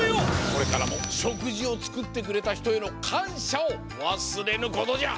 これからもしょくじをつくってくれたひとへのかんしゃをわすれぬことじゃ！